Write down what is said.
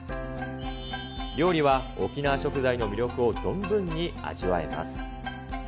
料理は沖縄食材の魅力を存分に味わえます。